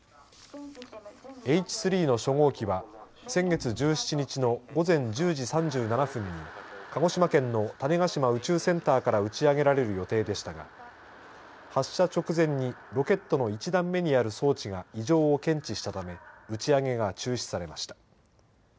Ｈ３の初号機は先月１７日の午前１０時３７分に鹿児島県の種子島宇宙センターから打ち上げられる予定でしたが発射直前にロケットの１段目にある装置が異常を検知したため打ち上げが中止されました。